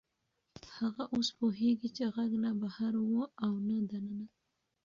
هغه اوس پوهېږي چې غږ نه بهر و او نه دننه.